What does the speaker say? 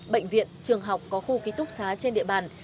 bệnh viện trường học có khu ký túc xá trên địa bàn